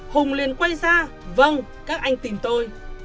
hùng liền quay ra vâng các anh tìm tôi